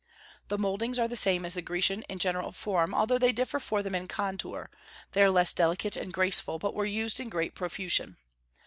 The mouldings are the same as the Grecian in general form, although they differ from them in contour; they are less delicate and graceful, but were used in great profusion.